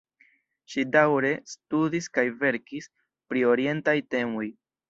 Ŝi daŭre studis kaj verkis pri orientaj temoj.